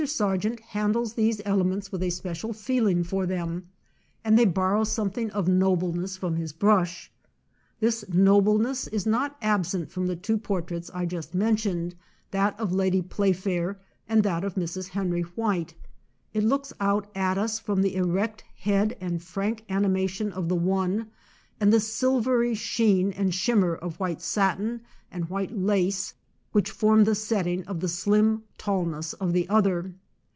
Sargent handles these elements with a special feeling for them, and they bor row something of nobleness from his brush. This nobleness is not absent from the two portraits I just mentioned, that of Lady Playfair and that of Mrs. Henry White; it looks out at us from the erect head and frank animation of the one, and the silvery sheen and shimmer of white satin and white lace which form the set ting of the slim tallness of the other.